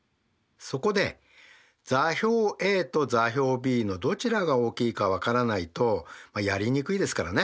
そこで座標ａと座標ｂのどちらが大きいか分からないとやりにくいですからね。